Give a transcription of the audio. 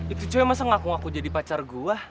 itu cuy masa ngaku ngaku jadi pacar gue